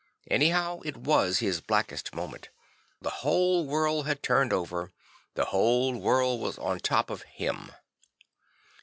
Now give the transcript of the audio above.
Anyhow, it was his blackest moment; the whole world had turned over; the whole \vorld was on top of him.